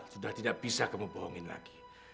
sudah tidak bisa kamu bohongin lagi